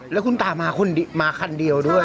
แล้วคุณตามาคันเดียวด้วย